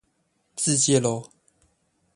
自介囉